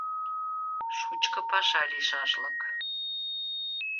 Шучко паша лийшашлык...